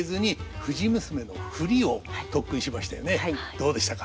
どうでしたか？